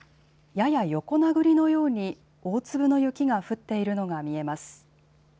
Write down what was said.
やや横殴りのように大粒の雪が降っているのが見えます。